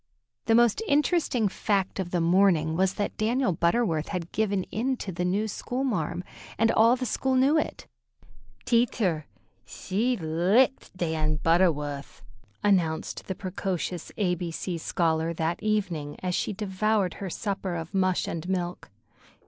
The most interesting fact of the morning was that Daniel Butterworth had given in to the new "school marm," and all the school knew it. "Teatcher, thshe licked Dan Butterwuth," announced the precocious A B C scholar that evening, as she devoured her supper of mush and milk.